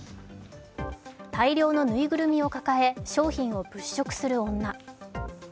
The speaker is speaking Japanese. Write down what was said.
大量のぬいぐるみを抱え、商品を物色する女。